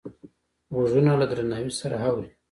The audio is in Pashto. غوږونه له درناوي سره اوري